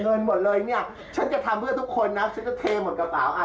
ตอนนี้พี่เอ๊มาถามเพื่อทุกคนแล้วนะคะนางอ้ำ